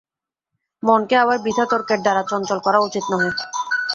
মনকে আবার বৃথা তর্কের দ্বারা চঞ্চল করা উচিত নহে।